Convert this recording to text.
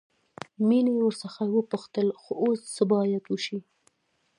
مينې ورڅخه وپوښتل خو اوس څه بايد وشي.